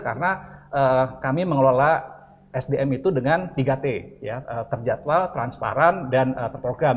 karena kami mengelola sdm itu dengan tiga t terjadwal transparan dan terprogram